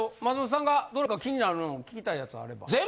松本さんがどれか気になるの聞きたいやつあれば。